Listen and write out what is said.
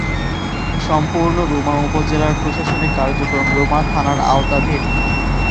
সম্পূর্ণ রুমা উপজেলার প্রশাসনিক কার্যক্রম রুমা থানার আওতাধীন।